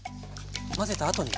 混ぜたあとに？